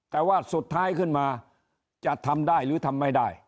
แต่ว่าสุดท้ายขึ้นมาจะทำได้หรือทำไม่ได้